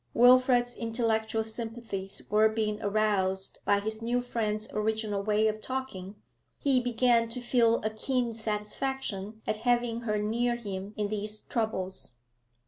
Wilfrid's intellectual sympathies were being aroused by his new friend's original way of talking. He began to feel a keen satisfaction at having her near him in these troubles.